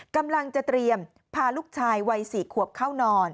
กำลังจะเตรียมพาลูกชายวัย๔ขวบเข้านอน